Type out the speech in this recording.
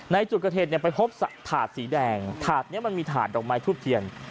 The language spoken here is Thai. ในจุดเกิดเหตุไปพบถาดสีแดงถาดนี้มันมีถาดดอกไม้ทูบเทียน